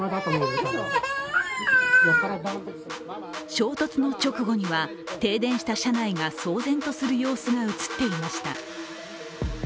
衝突の直後には、停電した車内が騒然とする様子が映っていました。